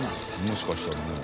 もしかしたらね。